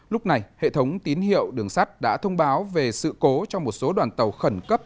lúc này hệ thống tín hiệu đường sắt đã thông báo về sự cố cho một số đoàn tàu khẩn cấp